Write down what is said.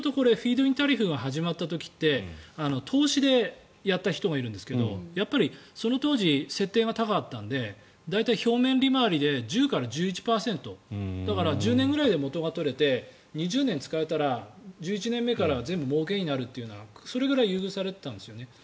始まった時って投資でやった人がいるんですけどその当時、設定が高かったので大体表面利回りで１０から１１％だから１０年ぐらいで元が取れて２０年使えたら１１年目から全部もうけになるというそれぐらい優遇されていたんです。